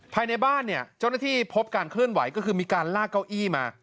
ภายในบ้านเนี่ยเจ้าหน้าที่พบการเคลื่อนไหวก็คือมีการลากเก้าอี้มา